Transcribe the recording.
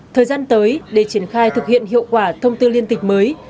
thời gian tới để triển khai thực hiện hiệu quả thông tư liên tịch mới